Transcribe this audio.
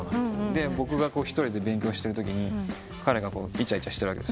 で僕が一人で勉強してるときに彼がいちゃいちゃしてるわけです。